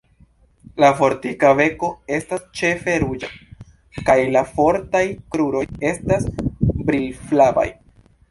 La fortika beko estas ĉefe ruĝa, kaj la fortaj kruroj estas brilflavaj.